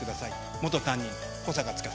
元担任、保坂司。